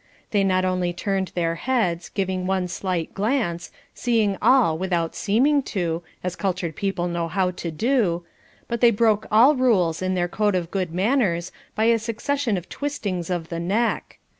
They not only turned their heads, giving one slight glance, seeing all without seeming to, as cultured people know how to do, but they broke all rules in their code of good manners by a succession of twistings of the neck.